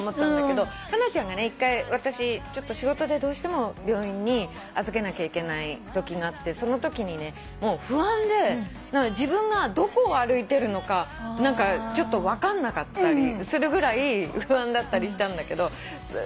ハナちゃんがね１回私仕事でどうしても病院に預けなきゃいけないときがあってそのときにね不安で自分がどこを歩いてるのか分かんなかったりするぐらい不安だったりしたんだけど。